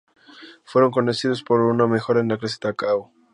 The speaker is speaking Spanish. Fueron concebidos como una mejora de la Clase Takao.